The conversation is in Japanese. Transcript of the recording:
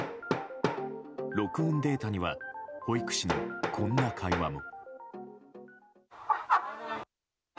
録音データには保育士のこんな会話も。